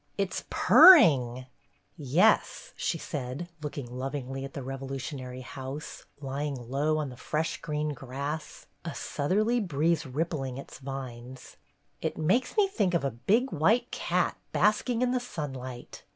" It 's purring !" "Yes/' she said, looking lovingly at the Revolutionary house, lying low on the fresh green grass, a southerly breeze rippling its vines, "it makes me think of a big white cat basking in the sunlight.